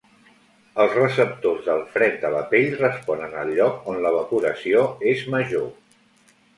Els receptors del fred de la pell responen al lloc on l'evaporació és major.